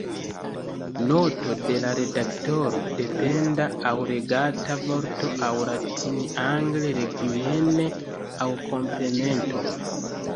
Noto de la redaktoro: Dependa aŭ regata vorto aŭ latin-angle regimen aŭ komplemento.